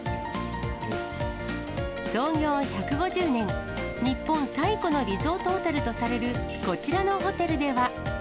創業１５０年、日本最古のリゾートホテルとされる、こちらのホテルでは。